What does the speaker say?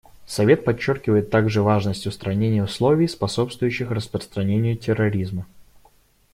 Совет подчеркивает также важность устранения условий, способствующих распространению терроризма.